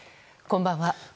こんばんは。